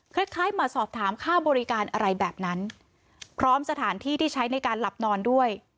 คล้ายมาสอบถามค่าบริการอะไรแบบนั้นพร้อมสถานที่ที่ใช้ในการหลับนอนด้วย